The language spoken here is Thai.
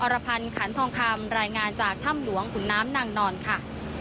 รพันธ์ขันทองคำรายงานจากถ้ำหลวงขุนน้ำนางนอนค่ะ